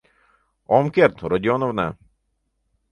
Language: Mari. — Ом керт, Родионовна.